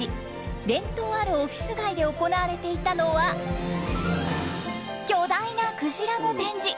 伝統あるオフィス街で行われていたのは巨大なクジラの展示。